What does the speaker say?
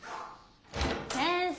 先生